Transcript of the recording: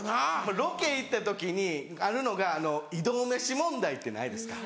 ロケ行ってる時にあるのが移動飯問題ってないですか？